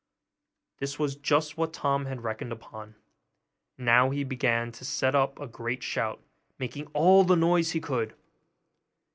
This was just what Tom had reckoned upon; and now he began to set up a great shout, making all the noise he could.